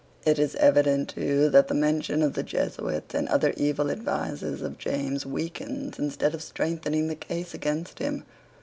It is evident too that the mention of the Jesuits and other evil advisers of James weakens, instead of strengthening, the case against him.